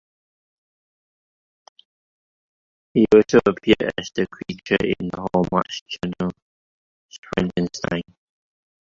He also appeared as The Creature in the Hallmark Channel's "Frankenstein".